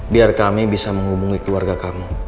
biar kami bisa menghubungi keluarga kami